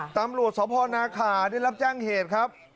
ตำรวจสพนาขาได้รับแจ้งเหตุครับ